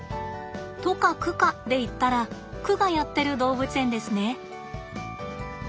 都か区かで言ったら区がやってる動物園ですね。